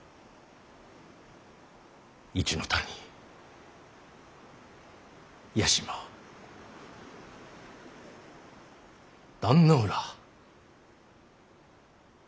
一ノ谷屋島壇ノ浦。